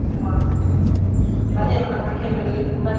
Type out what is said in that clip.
Baadae mama yake aliolewa na mwanafunzi kutoka Indonesia